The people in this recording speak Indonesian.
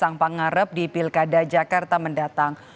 kaisang pangarap di pilkada jakarta mendatang